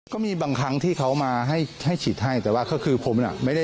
ก็มีบางครั้งที่เขามาให้ฉีดให้แต่ว่าคือผมน่ะ